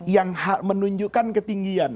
yang menunjukkan ketinggian